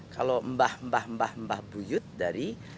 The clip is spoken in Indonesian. kalau mbah mbah mbah mbah buyut dari